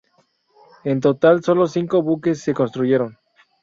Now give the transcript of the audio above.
En total, solo cinco buques se construyeron.